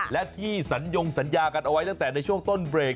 และที่สัญญงสัญญากันเอาไว้ตั้งแต่ในช่วงต้นเบรก